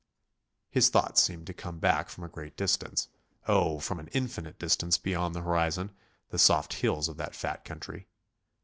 His thoughts seemed to come back from a great distance, oh, from an infinite distance beyond the horizon, the soft hills of that fat country.